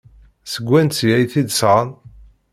Seg wansi ay t-id-sɣan?